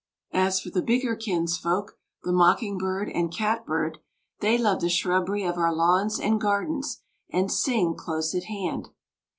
As for the bigger kinsfolk, the mocking bird and catbird, they love the shrubbery of our lawns, and gardens, and sing close at hand.